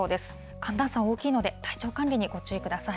寒暖差大きいので、体調管理にご注意ください。